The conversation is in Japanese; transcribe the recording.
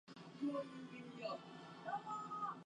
小石は跳ねて止まったり